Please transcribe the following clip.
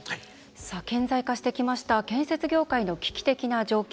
顕在化してきました建設業界の危機的な状況。